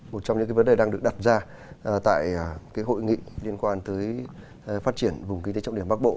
một trong những cái vấn đề đang được đặt ra tại hội nghị liên quan tới phát triển vùng kinh tế trọng điểm bắc bộ